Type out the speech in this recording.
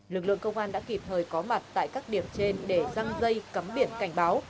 lực lượng công an đã kịp thời có mặt tại các điểm trên để răng dây cấm biển cảnh báo